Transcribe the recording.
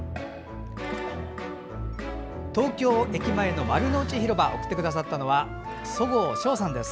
東京駅前の丸の内広場を送ってくださったのは十河翔さんです。